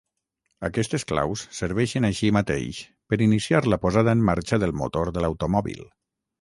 Aquestes claus serveixen així mateix per iniciar la posada en marxa del motor de l'automòbil.